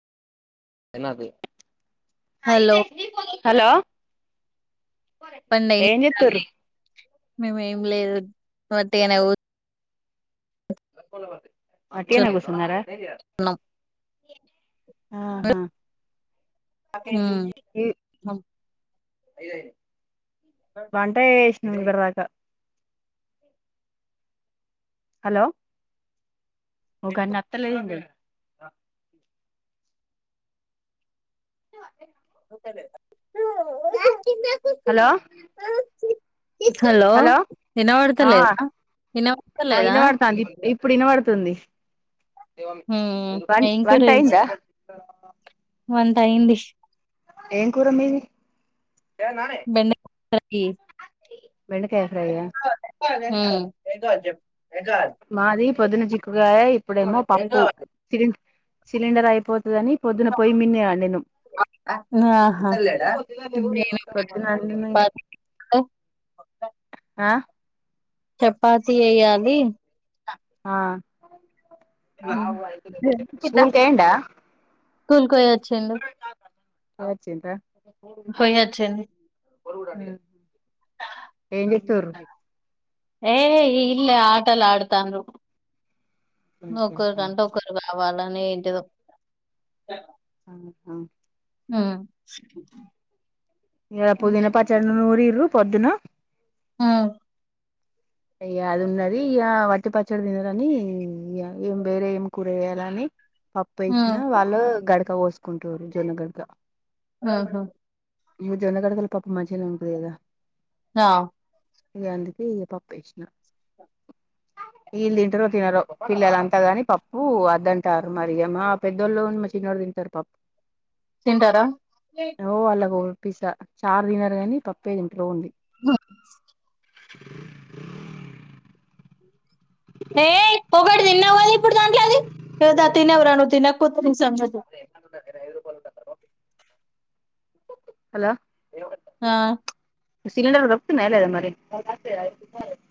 ఎన్నది hello hello ఏం చేస్తున్నారు? చేస్తుర్రు మేము ఏం లేదు ఒట్టిగానే అ పోలావాల వట్టిగానే కుస్సున్నారా కూర్చున్నాం ఆహా మ్మ్ అయ అయి వంట ఎ న బర్క హలో ఒక అన్ని అత్తలేదండి ఆ హలో హలో ఇనబడత ఆ లేదా ఇనబడత ఆ లేదా ఇనబడుతాంది ఇప్పుడు ఇన బడుతుంది హ్మ్ వన్ ఏం కూర వంటయ్యింద టైంబిష్ ఏం కూర మీది బెండకాయ బెండకాయ ఫ్రై ఆ హుమ్ మాది పొద్దున్న చిక్కుడుగాయ ఇప్పుడేమో పప్పు సిలిండర్ అయిపోతు అని పొద్దున పొయ్యి మీదే అండిన్ను ఆహా పొద్దున అండిన ప దు ఆ చపాతి ఎయ్యాలి ఆ స్కూల్ కెళ్లిండ స్కూల్ కి పోయి వచ్చిండు అచింద పోయొచ్చింది ఏమ్ తురు ఏయ్ ఈడ్నే ఆటలాడుతాందో ఒక గంట ఒక్కలు పా వాళ్లనే ఇంటి దో అహ ఆ ఇయాల పుదిన పచ్చడి నూరి పొద్దున ఆ ఇగ అది ఉన్నది ఇక వట్టి పచ్చడి తినరని ఇగ వేరే ఏం కూర చేయాలని పప్పై ఉమ్ గుంటూరు జొన్నగడ్డ ఆహా ఇగ జోన్నగడగల పప్పు మంచిగనే ఉంటది కదా ఆ ఇగ అందుకే పప్ చేశ్న ఈలు తింటారో తినరో పిల్లలంతా గాని పప్పు అ తారు మరిగ మా పెద్దోళ్ళు చినోడు తింటడు పప్ తింటారా పిజ్జా చార్ తినారు కాని పప్పే ఇంట్లో ఉంది బ ఉ యే ఒకటి తిన్నావ్ కదా ఇప్పుడు దాంట్లోది ఇగ ద తినవరా నువ్వు తినకపో సంగతి నీ దగ్గర ఐదు రూపాయలుంటార హలో ఆ సిలిన్డర్లు దొరుకుతున్నయ్య లేద మరి